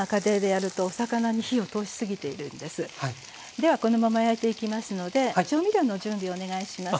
ではこのまま焼いていきますので調味料の準備をお願いします。